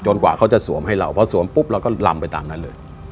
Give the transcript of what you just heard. กว่าเขาจะสวมให้เราพอสวมปุ๊บเราก็ลำไปตามนั้นเลย